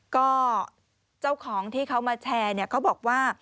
ก็เจ้าของที่เขามาแชร์เนี่ยเขาบอกว่า